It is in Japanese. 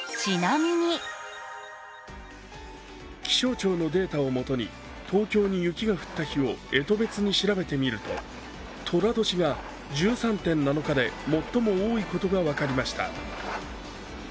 気象庁のデータを元に東京に雪が降った日をえと別に調べてみると、とら年が１３．７日で最も多いことが分かりました。